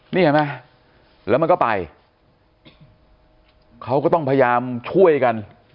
นี่เห็นไหมแล้วมันก็ไปเขาก็ต้องพยายามช่วยกัน